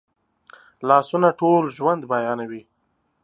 لاسونه ټول ژوند بیانوي